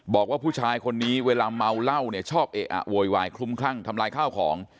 บอกว่าผู้ชายคนนี้เวลาเมาเหล้าเนี่ยชอบเอะอะโวยวายคลุมคลั่งทำลายข้าวของ